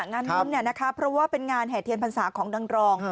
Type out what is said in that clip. น้มเนี่ยนะคะเพราะว่าเป็นงานแห่เทียนพรรษาของนางรอง